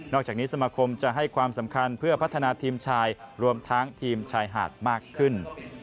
อกจากนี้สมาคมจะให้ความสำคัญเพื่อพัฒนาทีมชายรวมทั้งทีมชายหาดมากขึ้น